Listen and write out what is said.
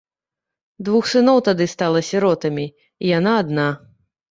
Двух сыноў тады стала сіротамі і яна адна.